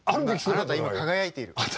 あなた今輝いている。